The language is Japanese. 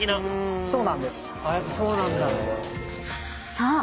［そう。